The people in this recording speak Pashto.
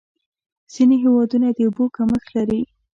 ځینې هېوادونه د اوبو کمښت لري.